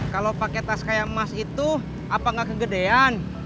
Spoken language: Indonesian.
kalau pakai tas kayak emas itu apa nggak kegedean